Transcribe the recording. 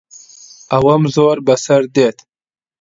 ئەوەم زۆر بەسەر دێت.